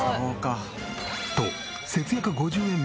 と節約５０円